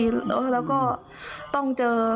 แล้วก็ต้องเจอ